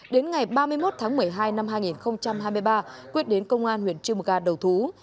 đến ngày ba mươi một tháng một mươi hai năm hai nghìn hai mươi ba quyết đến công an huyện trư mờ ga đầu thú